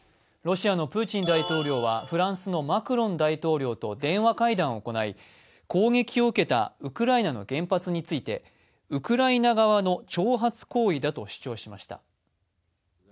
ロシアのプーチン大統領はフランスのマクロン大統領と電話会談を行い攻撃を受けたウクライナの原発についてウクライナ側の挑発行為だと主張しました。